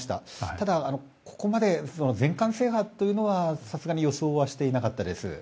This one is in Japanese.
ただ、ここまでの全冠制覇というのはさすがに予想はしていなかったです。